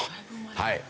はい。